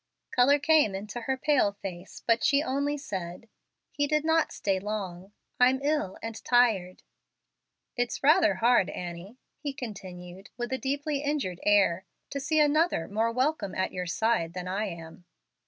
Color came into her pale face, but she only said, "He did not stay long. I'm ill and tired." "It's rather hard, Annie," he continued, with a deeply injured air, "to see another more welcome at your side than I am."